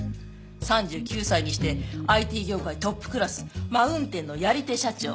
３９歳にしてＩＴ業界トップクラスマウンテンのやり手社長。